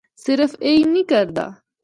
صرف ایہی نینھ کردا۔